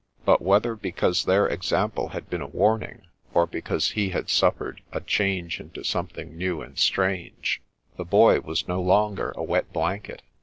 But, whether because their example had been a warning, or because he had suffered a " change, into something new and strange," the Boy was no longer a wet blanket.